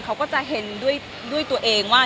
เขาก็จะเห็นด้วยตัวเองว่า